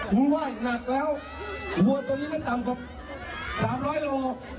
รู้ว่าหนักแล้ววัวตัวนี้มันต่ำกว่า๓๐๐โล